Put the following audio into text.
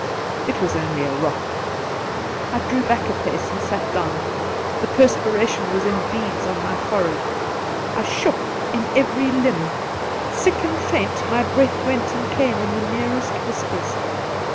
It was only a rock. I drew back a pace and sat down. The perspiration was in beads on my fore head. I shook in every limb ; sick and faint, my breath went and came in the merest whispers.